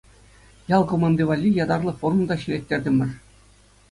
Ял команди валли ятарлӑ форма та ҫӗлеттертӗмӗр.